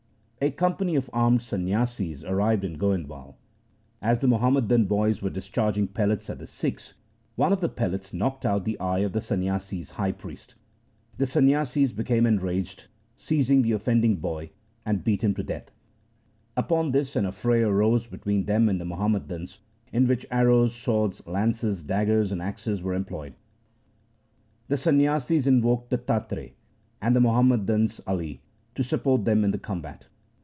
A company of armed Sanyasis arrived in Goind LIFE OF GURU AMAR DAS 69 wal. As the Muhammadan boys were discharging pellets at the Sikhs, one of the pellets knocked out the eye of the Sanyasis' high priest. The Sanyasis became enraged, seized the offending boy, and beat him to death. Upon this an affray arose between them and the Muhammadans, in which arrows, swords, lances, daggers, and axes were employed. The Sanyasis invoked Dattatre, 1 and the Muham madans Ali 2 to support them in the combat.